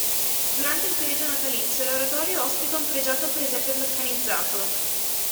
Durante il periodo natalizio l'oratorio ospita un pregiato presepe meccanizzato.